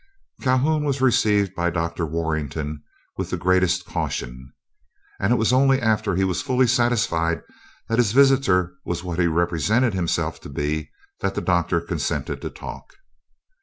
Calhoun was received by Dr. Warrenton with the greatest caution, and it was only after he was fully satisfied that his visitor was what he represented himself to be that the Doctor consented to talk.